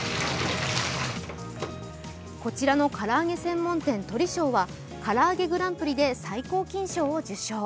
こちらのからあげ専門店・鶏笑はからあげグランプリで最高金賞を受賞。